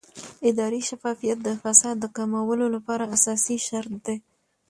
اداري شفافیت د فساد د کمولو لپاره اساسي شرط دی